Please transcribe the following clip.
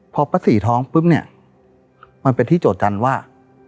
พอป้าศรีท้องปุ๊บเนี่ยมันเป็นที่โจทยันว่า